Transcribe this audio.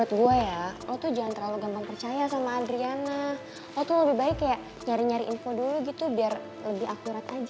buat gue ya oh tuh jangan terlalu gampang percaya sama adriana oh tuh lebih baik kayak nyari nyari info dulu gitu biar lebih akurat aja